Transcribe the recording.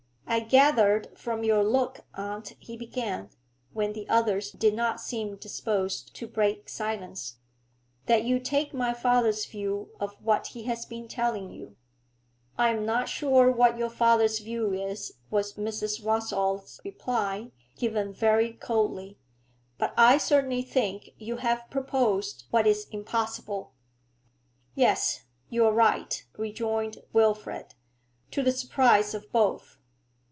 'I gather from your look, aunt,' he began, when the others did not seem disposed to break silence, 'that you take my father's view of what he has been telling you.' 'I am not sure what your father's view is,' was Mrs. Rossall's reply, given very coldly. 'But I certainly think you have proposed what is impossible.' 'Yes, you are right,' rejoined Wilfrid, to the surprise of both.